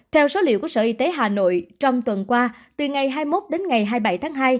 theo số liệu của sở y tế hà nội trong tuần qua từ ngày hai mươi một đến ngày hai mươi bảy tháng hai